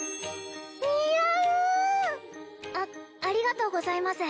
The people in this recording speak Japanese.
似合うあありがとうございます